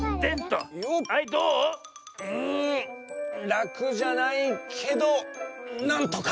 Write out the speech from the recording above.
らくじゃないけどなんとか！